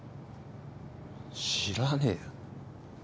知らねえよ。